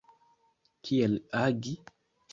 Kiel agi?